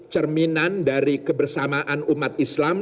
cerminan dari kebersamaan umat islam